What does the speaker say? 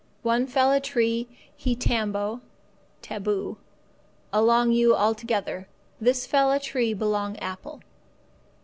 One fella tree he tambo (taboo) along you altogether. This fella tree belong apple.